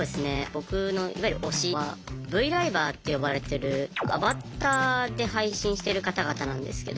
僕のいわゆる推しはＶライバーって呼ばれてるアバターで配信してる方々なんですけど。